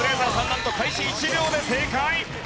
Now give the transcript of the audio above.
なんと開始１秒で正解。